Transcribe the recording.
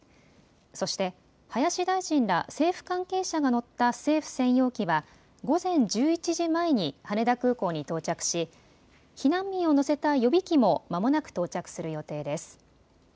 そして林大臣ら政府関係者が乗った政府専用機は午前１１時前に羽田空港に到着し避難民を乗せた予備機もまもなく到着する予定です。